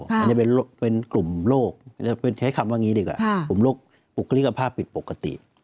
มันจะเป็นกลุ่มโรคใช้คำว่างี้ดีกว่ากลุ่มโรคบุคลิกภาพผิดปกติ